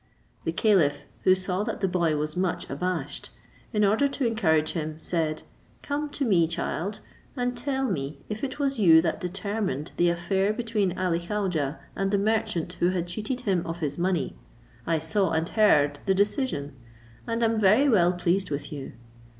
The caliph, who saw that the boy was much abashed, in order to encourage him, said, "Come to me, child, and tell me if it was you that determined the affair between Ali Khaujeh and the merchant who had cheated him of his money? I saw and heard the decision, and am very well pleased with you."